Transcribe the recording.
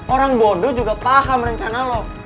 orang bodoh juga paham rencana loh